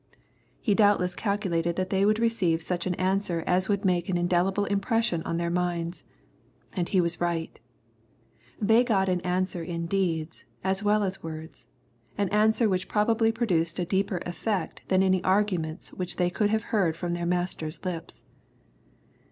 He douhtless calculated that they would receive such an answer as would make an indelible impression on their minds. And he was right. They got an answer in deeds, as well as words, — ^an answer which probably produced a deeper effect than any arguments which they could have heard from their master's lips.